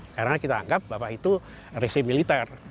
karena kita anggap bapak itu resimiliter